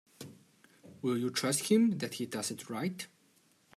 Will you trust him that he does it right?